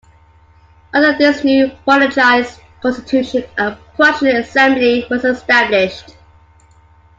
Under this new monarchist constitution, a Prussian Assembly was established.